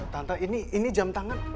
tante ini jam tangan